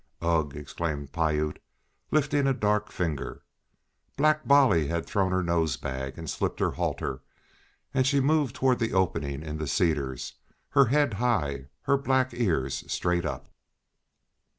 "Ugh!" exclaimed Piute, lifting a dark finger. Black Bolly had thrown her nose bag and slipped her halter, and she moved toward the opening in the cedars, her head high, her black ears straight up.